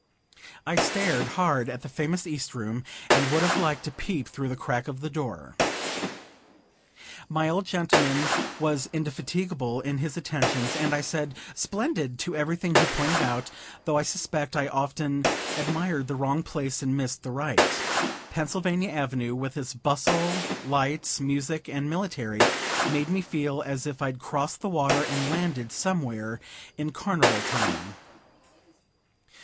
I stared hard at the famous East Room, and would have liked a peep through the crack of the door. My old gentleman was indefatigable in his attentions, and I said, "Splendid!" to everything he pointed out, though I suspect I often admired the wrong place, and missed the right. Pennsylvania Avenue, with its bustle, lights, music, and military, made me feel as if I'd crossed the water and landed somewhere in Carnival time.